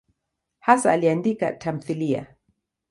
Hasa aliandika tamthiliya.